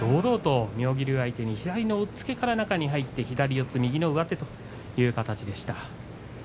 妙義龍相手に左の押っつけから中に入って左四つ右の上手という形でした。